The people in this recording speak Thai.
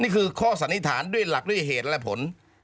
ข้อสันนิษฐานด้วยหลักด้วยเหตุและผล